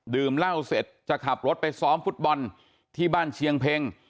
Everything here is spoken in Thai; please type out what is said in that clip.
เหล้าเสร็จจะขับรถไปซ้อมฟุตบอลที่บ้านเชียงเพ็ง